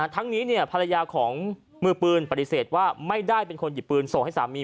ทั้งนี้ภรรยาของมือปืนปฏิเสธว่าไม่ได้เป็นคนหยิบปืนส่งให้สามี